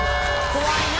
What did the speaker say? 怖いな！